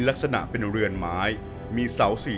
ชื่องนี้ชื่องนี้ชื่องนี้ชื่องนี้ชื่องนี้